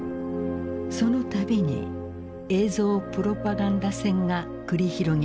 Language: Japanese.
その度に映像プロパガンダ戦が繰り広げられた。